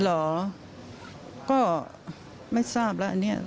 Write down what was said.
เหรอก็ไม่ทราบแล้วอันนี้